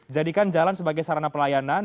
jadikan jalan sebagai sarana pelayanan